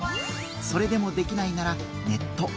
それでもできないならネット。